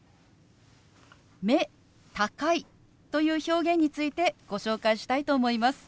「目高い」という表現についてご紹介したいと思います。